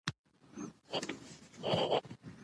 امنیت د ازادي راډیو د مقالو کلیدي موضوع پاتې شوی.